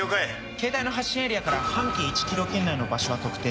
ケータイの発信エリアから半径１ｋｍ圏内の場所は特定。